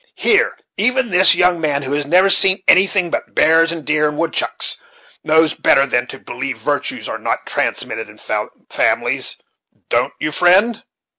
Here, even this young man, who has never seen anything but bears, and deer, and woodchucks, knows better than to believe virtues are not transmitted in families. Don't you, friend?"